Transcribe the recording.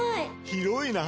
広いな！